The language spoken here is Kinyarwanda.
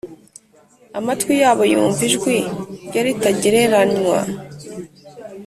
amatwi yabo yumva ijwi rye ritagereranywa